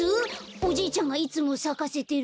おじいちゃんがいつもさかせてる。